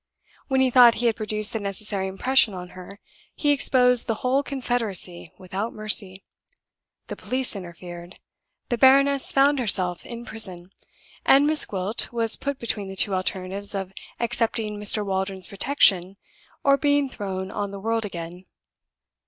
When he thought he had produced the necessary impression on her, he exposed the whole confederacy without mercy. The police interfered; the baroness found herself in prison; and Miss Gwilt was put between the two alternatives of accepting Mr. Waldron's protection or being thrown on the world again.